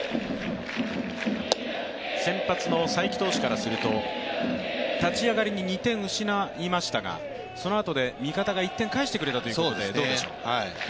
先発の才木投手からすると立ち上がりに２点、失いましたがそのあとで味方が１点返してくれたということですよね。